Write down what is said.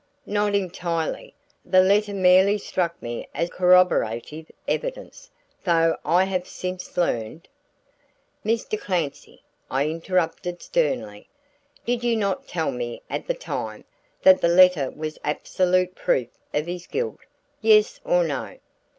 "Not entirely the letter merely struck me as corroborative evidence, though I have since learned " "Mr. Clancy," I interrupted sternly, "did you not tell me at the time, that that letter was absolute proof of his guilt yes or no?"